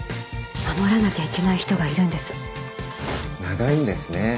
守らなきゃいけない人がいるんです長いんですね